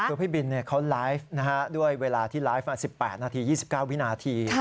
คือพี่บินเขาไลฟ์ด้วยเวลาที่ไลฟ์๑๘นาที๒๙วินาที